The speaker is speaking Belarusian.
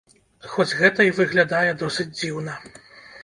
Хоць гэта і выглядае досыць дзіўна.